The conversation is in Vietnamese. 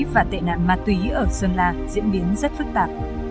và tệ nạn ma túy ở sơn la diễn biến rất phức tạp